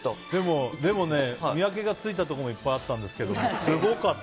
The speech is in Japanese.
でもね、見分けがついたとこもいっぱいあったんですけどね